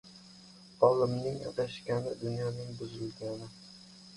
• Olimning adashgani — dunyoning buzilgani.